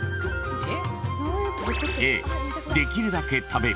えっ？